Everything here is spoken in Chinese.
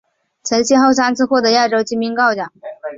曾先后三次获得亚洲金冰镐奖。